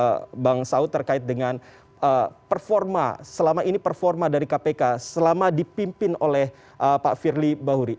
bagaimana bang saud terkait dengan performa selama ini performa dari kpk selama dipimpin oleh pak firly bahuri